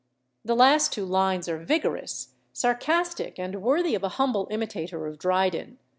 The last two lines are vigorous, sarcastic, and worthy of a humble imitator of Dryden.